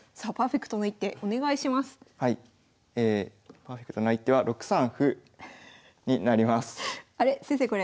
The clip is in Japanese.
パーフェクトな一手は６三歩になります。